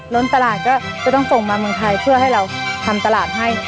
ล้นตลาดก็จะต้องส่งมาเมืองไทยเพื่อให้เราทำตลาดให้